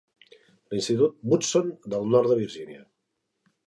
L'Institut Woodson del nord de Virginia.